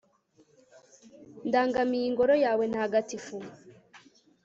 ndangamiye ingoro yawe ntagatifu